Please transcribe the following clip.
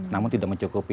namun tidak mencukupi